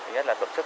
thứ nhất là tổ chức